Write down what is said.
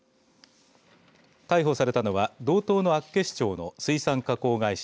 逮捕されたのは道東の厚岸町の水産加工会社